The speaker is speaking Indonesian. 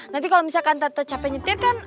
nanti kalau misalkan tetap capek nyetir kan